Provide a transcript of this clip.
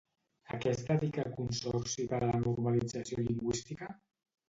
A què es dedica el Consorci per a la Normalització Lingüística?